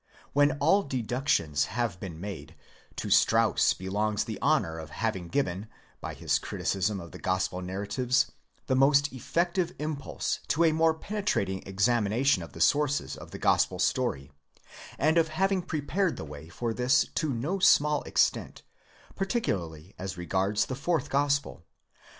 When all deductions have been made, to Strauss belongs the honour of having given, by his criticism of the gospel narratives, the most effective impulse to a more penetrating examination of the sources of the gospel story, and of having prepared the way for this to no small extent, particularly as regards the Fourth Gospel.